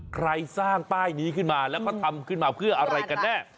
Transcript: ใครสร้างป้ายนี้ขึ้นมาแล้วเขาทำขึ้นมาเพื่ออะไรกันแน่